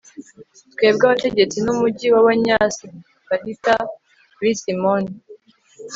twebwe abategetsi n'umugi w'abanyasiparita, kuri simoni